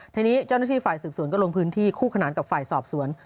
ทีนี้เจ้าหน้าที่ฝ่ายสืบสวนก็ลงพื้นที่คู่ขนานกับฝ่ายสอบสวน